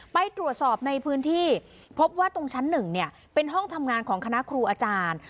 ไปตรวจสอบในพื้นที่พบว่าตรงชั้น๑เป็นห้องทำงานของคณะครูอาจารย์